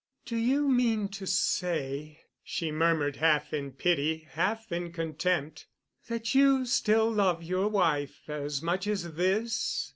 "Do you mean to say," she murmured, half in pity, half in contempt, "that you still love your wife as much as this?"